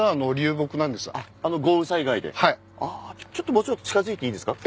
もうちょっと近づいていいですか？